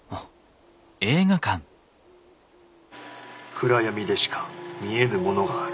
暗闇でしか見えぬものがある。